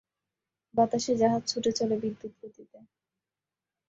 বাতাসে জাহাজ ছুটে চলেছে বিদ্যুৎগতিতে।